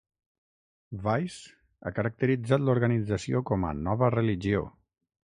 "Vice" ha caracteritzat l'organització com a "nova religió".